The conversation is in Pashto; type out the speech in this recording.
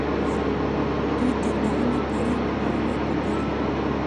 دوی تر نهمې پیړۍ مقاومت وکړ